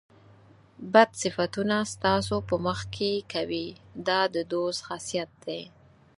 بد صفتونه ستاسو په مخ کې کوي دا د دوست خاصیت دی.